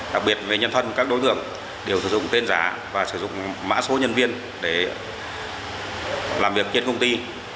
đặc biệt về nhân thân các đối tượng đều sử dụng tên giá và sử dụng mã số nhân viên để làm việc trên công ty